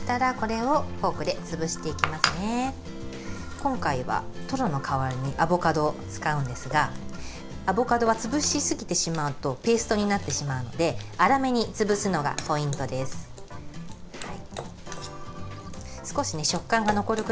今回はトロの代わりにアボカドを使うんですがアボカドを潰しすぎてしまうとペーストになってしまうので粗めに潰すのがポイントです。